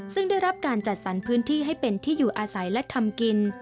ซึ่งได้รับการจัดสรรพื้นที่ให้เป็นที่อยู่อาศัยและทำกิน